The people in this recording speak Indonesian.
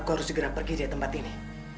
aku harus segera pergi dari tempat ini